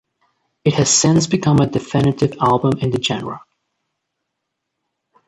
It has since become a definitive album in the genre.